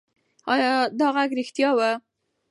ایا دا غږ رښتیا و؟